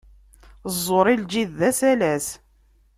Ẓẓur i lǧid, d asalas.